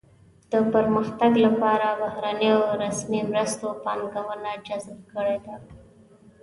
د پرمختګ لپاره بهرنیو رسمي مرستو پانګونه جذب کړې ده.